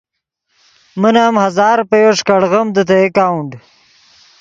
من ام ہزار روپیو ݰیکاڑیم دے تے اکاؤنٹ۔